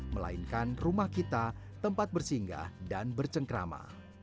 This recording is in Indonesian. melainkan rumah kita tempat bersinggah dan bercengkrama